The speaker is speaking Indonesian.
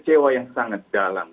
cewa yang sangat dalam